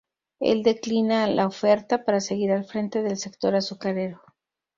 El declina la oferta para seguir al frente del sector azucarero.